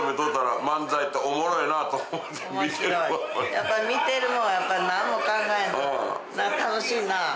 やっぱ見てるのは何も考えんと。